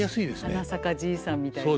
「はなさかじいさん」みたいなね。